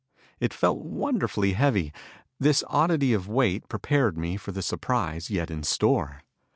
It felt wonderfully heavy. This oddity of weight prepared me for the surprise yet in store.